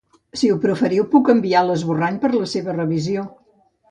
Si ho preferiu puc enviar l'esborrany per la seva revisió.